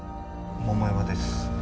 桃山です